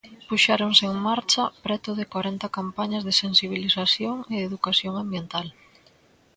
Puxéronse en marcha preto de corenta campañas de sensibilización e educación ambiental.